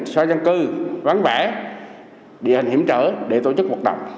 xoay dân cư ván vẽ địa hình hiểm trở để tổ chức cuộc đọc